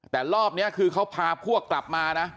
แต่รอบนี้คือเขาพาพวกกลับมานะ